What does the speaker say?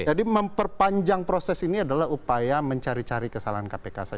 jadi memperpanjang proses ini adalah upaya mencari cari kesalahan kpk saja